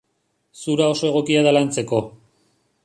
Zura oso egokia da lantzeko.